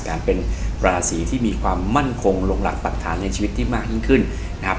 การเป็นราศีที่มีความมั่นคงลงหลักปรักฐานในชีวิตที่มากยิ่งขึ้นนะครับ